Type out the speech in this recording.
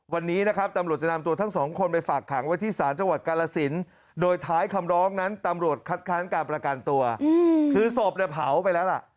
วันนี้นะครับตำรวจจะนำตัวทั้งสองคนไปฝากขังไว้ที่ศาลจังหวัดกาลสินโดยท้ายคำร้องนั้นตำรวจคัดค้านการประกันตัวคือศพเนี่ยเผาไปแล้วล่ะ